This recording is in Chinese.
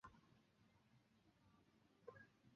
杰克逊东北方约。